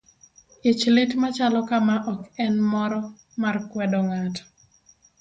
Ich lit machalo kama ok en moro mar kwedo ng'ato.